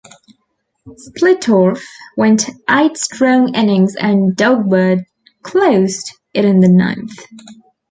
Splittorff went eight strong innings and Doug Bird closed it in the ninth.